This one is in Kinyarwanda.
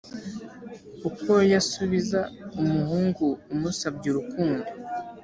uko yasubiza umuhungu umusabye urukundo